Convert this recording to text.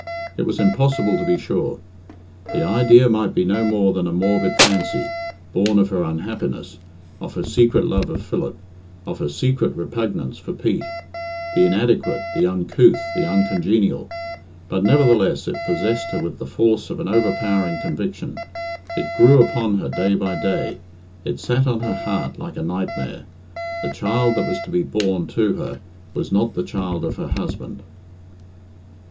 It was impossible to be sure. The idea might be no more than a morbid fancy, born of her un happiness, of her secret love for Philip, of her secret repugnance for Pete (the inadequate, the uncouth, the uncongenial) but nevertheless it possessed her with the force of an overpowering conviction, it grew upon her day by day, it sat on her heart like a nightmare the child that was to be born to her was not the child of her husband.